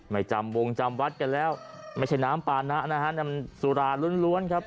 ไม่จำวงจำวัดกันแล้วไม่ใช่น้ำปานะนะฮะน้ำสุราล้วนครับ